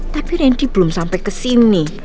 tapi randy belum sampai kesini